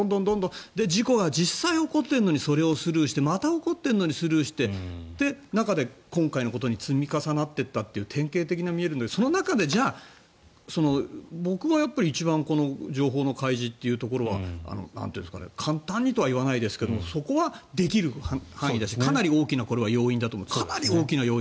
それで事故が実際に起こっているのにスルーしてまた起こっているのにスルーした中で今回のことに積み重なっていったという典型的に見えるのでじゃあその中で僕は一番情報の開示というところは簡単にとは言わないですがそこはできる範囲だしかなり大きな要因だと思います。